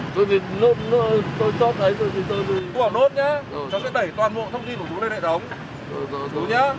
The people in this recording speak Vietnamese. chú bảo nốt nhé cháu sẽ đẩy toàn bộ thông tin của chú lên hệ thống